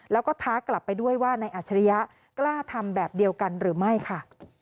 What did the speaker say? แล้วก็ท้ากลับไปด้วยว่านายอัจฉริยะกล้าทำแบบเดียวกันหรือไม่ค่ะ